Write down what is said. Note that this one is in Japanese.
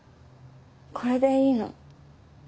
これでいいの。